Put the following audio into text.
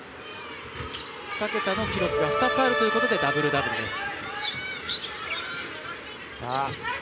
２桁の記録が２つあるということでダブルダブルです。